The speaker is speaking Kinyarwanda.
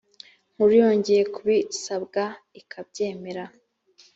nkuru yongeye kubisabwa ikabyemera